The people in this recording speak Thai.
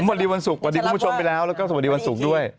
วันศุกร์สวัสดีคุณผู้ชมไปแล้วแล้วก็สวัสดีวันศุกร์ด้วย